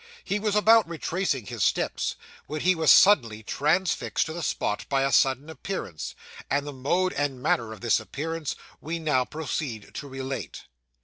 He was about retracing his steps, when he was suddenly transfixed to the spot by a sudden appearance; and the mode and manner of this appearance, we now proceed to relate.